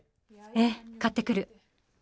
ええ買ってくる。